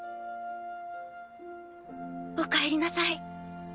おかえりなさい。